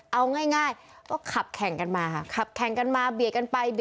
เอาง่ายก็ขับแข่งกันมา